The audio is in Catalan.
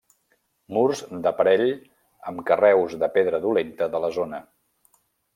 Murs d'aparell amb carreus de pedra dolenta de la zona.